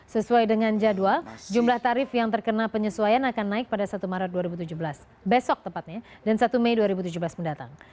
sesuai dengan jadwal jumlah tarif yang terkena penyesuaian akan naik pada satu maret dua ribu tujuh belas besok tepatnya dan satu mei dua ribu tujuh belas mendatang